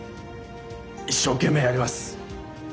一生懸命やります。